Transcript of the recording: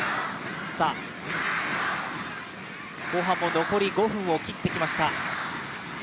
後半も残り５分を切ってきました。